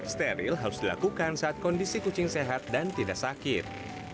steril harus dilakukan saat kondisi kucing sehat dan tidak sakit